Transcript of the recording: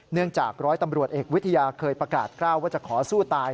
จากร้อยตำรวจเอกวิทยาเคยประกาศกล้าวว่าจะขอสู้ตาย